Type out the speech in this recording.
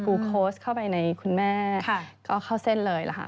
กลูโคสเข้าไปในคุณแม่ก็เข้าเส้นเลยค่ะ